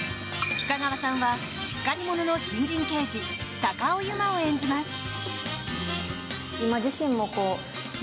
深川さんはしっかり者の新人刑事高尾由真を演じます。